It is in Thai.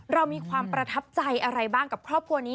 เรามีความประทับใจอะไรบ้างกับครอบครัวนี้